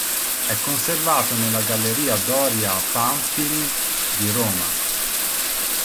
È conservato nella Galleria Doria Pamphilj di Roma.